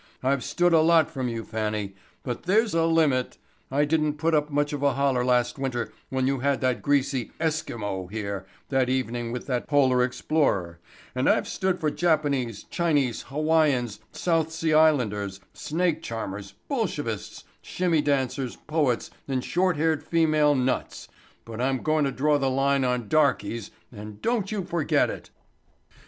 I've stood a lot from you Fannie, but there's a limit. I didn't put up much of a holler last winter when you had that greasy Esquimeaux here that evening with that polar explorer and I've stood for Japanese, Chinese, Hawaiians, South Sea Islanders, snake charmers, Bolshevists, shimmy dancers, poets and short haired female nuts, but I'm going to draw the line on darkies and don't you forget it."